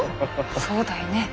そうだいね。